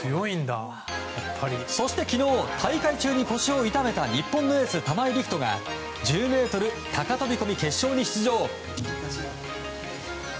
そして昨日、大会中に腰を痛めた日本のエース、玉井陸斗が１０ｍ高飛込決勝に出場。